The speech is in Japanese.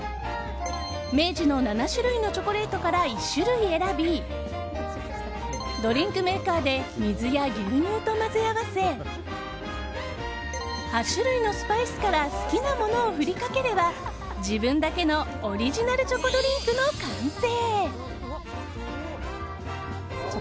明治の７種類のチョコレートから１種類選びドリンクメーカーで水や牛乳と混ぜ合わせ８種類のスパイスから好きなものを振りかければ自分だけのオリジナルチョコドリンクの完成。